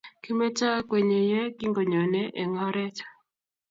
Kimeto kwenye ye kingonyone eng oret,